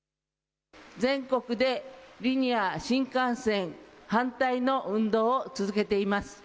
全国でリニア新幹線反対の運動を続けています。